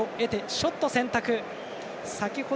ショット選択。